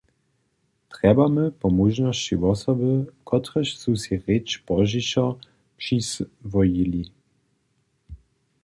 Trjebamy po móžnosći wosoby, kotrež su sej rěč pozdźišo přiswojili.